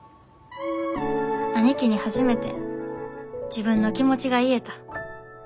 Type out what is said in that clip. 兄貴に初めて自分の気持ちが言えた。